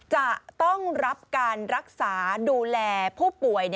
จะต้องรับการรักษาดูแลผู้ป่วย